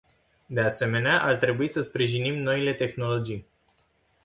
De asemenea, ar trebui să sprijinim noile tehnologii.